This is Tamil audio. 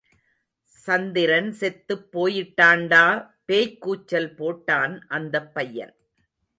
சந்திரன் செத்துப் போயிட்டாண்டா பேய்க் கூச்சல் போட்டான் அந்தப் பையன்.